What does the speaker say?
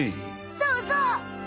そうそう！